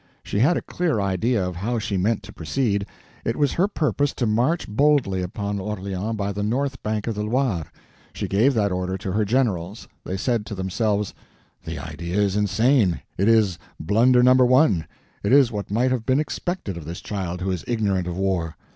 She had a clear idea of how she meant to proceed. It was her purpose to march boldly upon Orleans by the north bank of the Loire. She gave that order to her generals. They said to themselves, "The idea is insane—it is blunder No. 1; it is what might have been expected of this child who is ignorant of war."